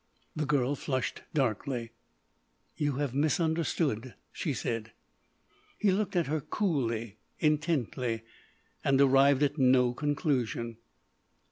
The girl flushed darkly. "You have misunderstood," she said. He looked at her coolly, intently; and arrived at no conclusion.